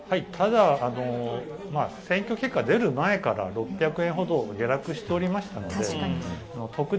ただ、選挙結果が出る前から６００円ほど下落しておりましたので特段